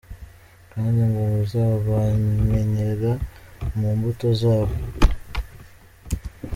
Kandi ngo muzabamenyera ku mbuto zabo!